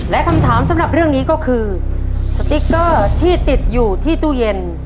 และคำถามสำหรับเรื่องนี้ก็คือสติ๊กเกอร์ที่ติดอยู่ที่ตู้เย็น